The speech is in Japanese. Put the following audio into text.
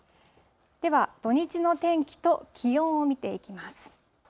では土日の天気と気温を見ていきます。